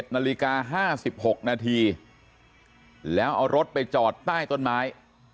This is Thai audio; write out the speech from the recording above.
นาฬิกา๕๖นาทีแล้วเอารถไปจอดใต้ต้นไม้